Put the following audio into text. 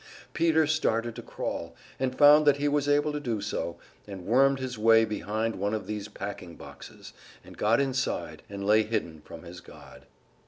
Peter started to crawl, and found that he was able to do so, and wormed his way behind one of these packing boxes, and got inside and lay hidden from his God.